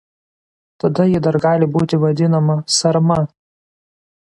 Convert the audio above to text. Tada ji dar gali būti vadinama "sarma".